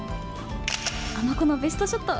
尼子のベストショット！